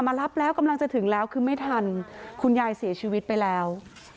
มารับแล้วกำลังจะถึงแล้วคือไม่ทันคุณยายเสียชีวิตไปแล้ว